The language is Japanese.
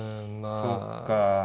そっか。